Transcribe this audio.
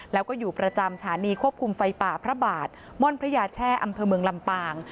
แล้วก็อยู่ประจำสถานีควบคุมไฟป่าพระบาทม่อนพระยาแช่อำเภอเมืองลำปาง